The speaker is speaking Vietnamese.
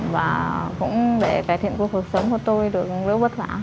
và cũng để cải thiện cuộc sống của tôi được rất vất vả